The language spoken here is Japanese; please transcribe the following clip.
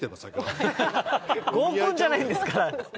合コンじゃないんですから！